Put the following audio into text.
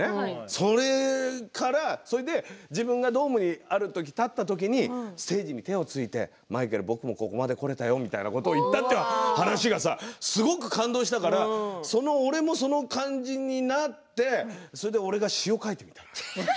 それから自分がドームにある時立った時にステージで手をついてマイケル、僕もここまで来れたよという話がさすごく感動したから俺もその感じになってそれで詞を書いてみたんだよ。